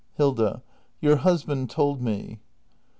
Hilda. Your husband told me.